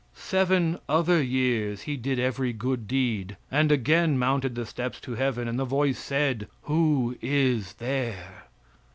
Seven other years he did every good deed, and again mounted the steps to heaven, and the voice said: "Who is there?"